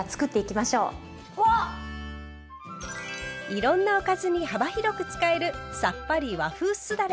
いろんなおかずに幅広く使えるさっぱり和風酢だれ。